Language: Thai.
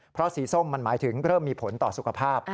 เพราะสีส้มมันหมายถึงเริ่มมีผลต่อสุขภาพ